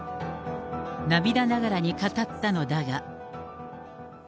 涙ながらに語ったのだが。